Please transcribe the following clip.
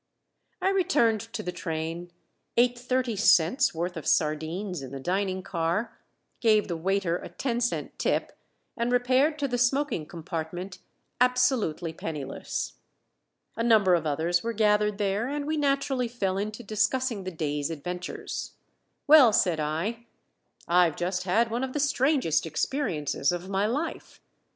I returned to the train, ate thirty cents' worth of sardines in the dining car, gave the waiter a ten cent tip, and repaired to the smoking compartment absolutely penniless. A number of others were gathered there, and we naturally fell into discussing the day's adventures. "Well," said I, "I've just had one of the strangest experiences of my life.